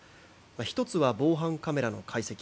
１つは防犯カメラの解析。